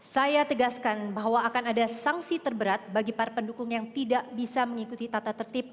saya tegaskan bahwa akan ada sanksi terberat bagi para pendukung yang tidak bisa mengikuti tata tertib